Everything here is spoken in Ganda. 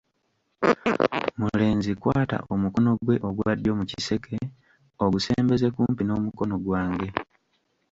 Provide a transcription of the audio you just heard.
Mulenzi, kwata omukono gwe ogwa ddyo mu kiseke, ogusembeze kumpi n'omukono gwange.